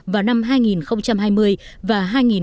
vào năm hai nghìn hai mươi và hai nghìn hai mươi một